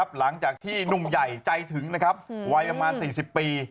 หลังจากที่หนุ่มใหญ่ใจถึงวัยประมาณ๔๐ปี